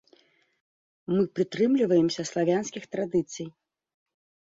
Мы прытрымліваемся славянскіх традыцый.